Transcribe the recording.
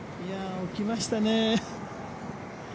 起きましたね。